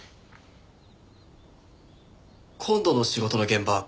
今度の仕事の現場